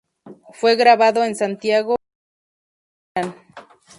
Fue grabado en Santiago por las hermanas Beltrán.